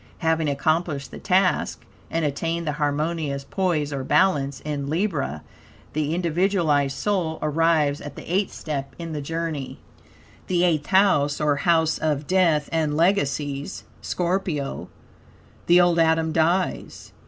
Having accomplished the task, and attained the harmonious poise, or balance, in Libra, the individualized soul arrives at the eighth step in the journey. The Eighth House, or House of Death and Legacies (Scorpio). The old Adam dies.